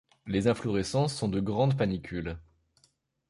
Les inflorescences sont de grandes panicules.